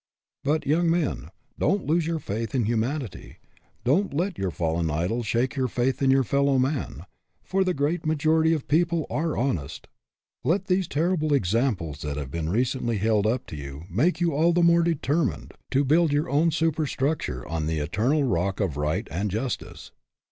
But, young men, don't lose your faith in humanity don't let your fallen idols shake your faith in your fellow men for the great majority of people are honest. Let these ter rible examples that have recently been held up to you make you all the more determined to build your own superstructure on the eter nal rock of right and justice.